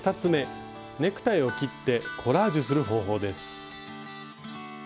ネクタイを切ってコラージュする方法です。